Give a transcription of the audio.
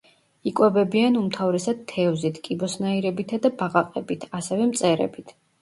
იკვებებიან უმთავრესად თევზით, კიბოსნაირებითა და ბაყაყებით, ასევე მწერებით.